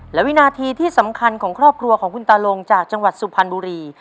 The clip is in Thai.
และวินาทีที่สำคัญของครอบครัวของคุณตาลงจากจังหวัดสุพรรณบุรี